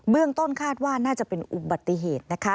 เบื้องต้นคาดว่าน่าจะเป็นอุบัติเหตุ